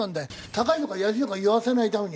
高いとか安いとか言わせないために。